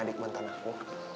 adik mantan aku